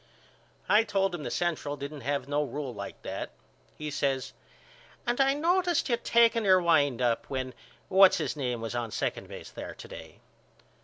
I told him the Central didn't have no rule like that. He says And I noticed you taking your wind up when What's His Name was on second base there to day.